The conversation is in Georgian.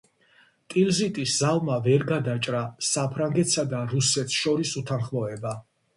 ტილზიტის ზავმა ვერ გადაჭრა საფრანგეთსა და რუსეთს შორის უთანხმოება.